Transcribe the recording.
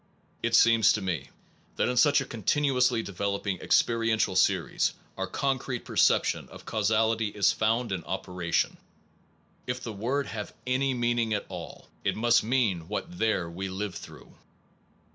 It seems to me that in such a continuously developing experiential series our concrete perception of causality is found in operation. If the word have any meaning at all it must mean what there we live through.